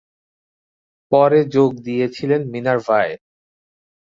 পরে যোগ দিয়েছিলেন মিনার্ভায়।